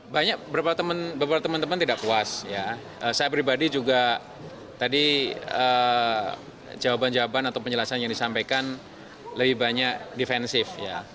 banyak beberapa teman teman tidak puas saya pribadi juga tadi jawaban jawaban atau penjelasan yang disampaikan lebih banyak defensif